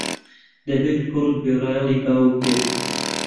دەبێت کوڕ گوێڕایەڵی باوک بێت.